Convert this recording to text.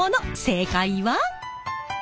正解は。